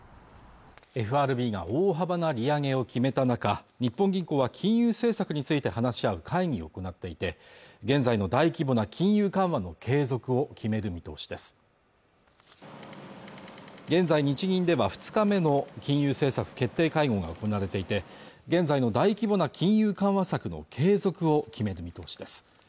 ＦＲＢが大幅な利上げを決めた中日本銀行は金融政策について話し合う会議を行っていて現在の大規模な金融緩和の継続を決める見通しです現在日銀では２日目の金融政策決定会合が行われていて現在の大規模な金融緩和策の継続を決める見通しです